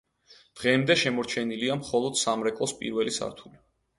დღემდე შემორჩენილია მხოლოდ სამრეკლოს პირველი სართული.